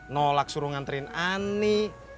nolak suruh nganterin ani